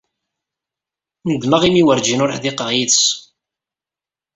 Nedmeɣ imi werjin ur ḥdiqeɣ yid-s.